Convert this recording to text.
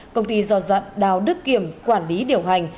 công ty do đào đức kiểm quản lý điều hành